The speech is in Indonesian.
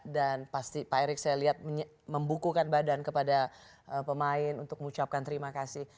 dan pasti pak erick saya lihat membukukan badan kepada pemain untuk mengucapkan terima kasih